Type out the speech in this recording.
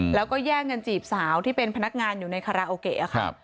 แล้วก็แย่งกันจีบสาวที่เป็นพนักงานอยู่ในคาราโอเกะครับ